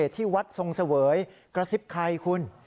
ที่วัดทรงเสวยกระซิบใครคุณ